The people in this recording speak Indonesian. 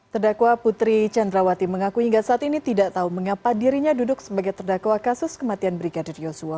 terdakwa putri candrawati mengaku hingga saat ini tidak tahu mengapa dirinya duduk sebagai terdakwa kasus kematian brigadir yosua